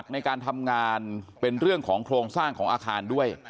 ในการทำงานเป็นเรื่องของโครงสร้างของอาคารด้วย